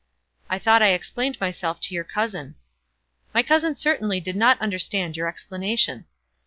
"I thought I explained myself to your cousin." "My cousin certainly did not understand your explanation."